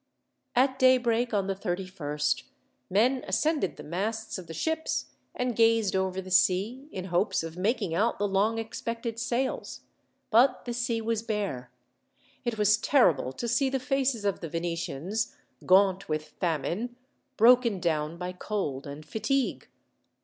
At daybreak, on the 31st, men ascended the masts of the ships, and gazed over the sea, in hopes of making out the long expected sails. But the sea was bare. It was terrible to see the faces of the Venetians, gaunt with famine, broken down by cold and fatigue.